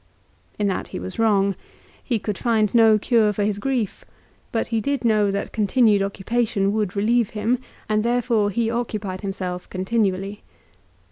In that he was wrong. He could find no cure for his grief; but he did know that continued occupation would relieve him, and therefore he occupied himself continually.